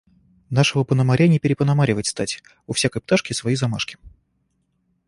Нашего пономаря не перепономаривать стать. У всякой пташки свои замашки.